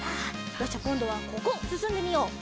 よしじゃあこんどはここすすんでみよう。